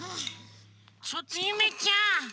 ちょっとゆめちゃん